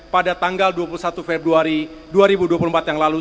pada tanggal dua puluh satu februari dua ribu dua puluh empat yang lalu